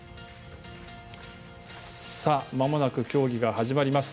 まもなく競技が始まります。